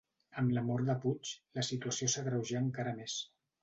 Amb la mort de Puig, la situació s'agreujà encara més.